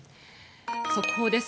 速報です。